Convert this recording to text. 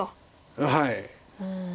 はい。